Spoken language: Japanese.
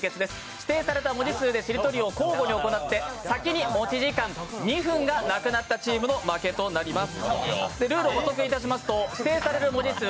指定された文字数でしりとりを交互に行って先に持ち時間２分がなくなったチームの負けとなります。